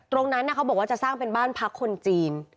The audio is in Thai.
ตรงนั้นเขาบอกว่าจะสร้างเป็นบ้านพระคนจีน